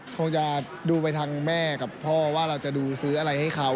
คงจะดูไปทางแม่กับพ่อว่าเราจะดูซื้ออะไรให้เขา